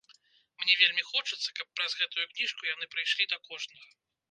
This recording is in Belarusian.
Мне вельмі хочацца, каб праз гэтую кніжку яны прыйшлі да кожнага.